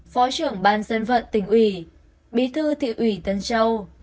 phó trưởng ban dân vận tỉnh ủy bí thư thị ủy tân châu